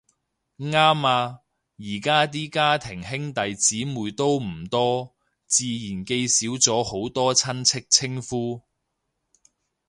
啱呀，而家啲家庭兄弟姊妹都唔多，自然記少咗好多親戚稱呼